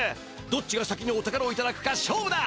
どっちが先にお宝をいただくか勝負だ！